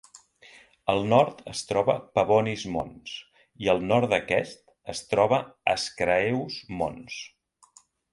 Al nord es troba Pavonis Mons, i al nord d'aquest es troba Ascraeus Mons.